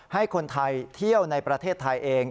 ให้คนไทยเที่ยวในประเทศไทยเอง